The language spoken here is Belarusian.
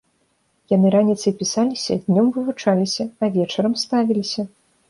Яны раніцай пісаліся, днём вывучаліся, а вечарам ставіліся.